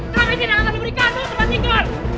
kami tidak akan memberikanmu tempat tinggal